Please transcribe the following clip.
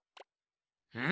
うん？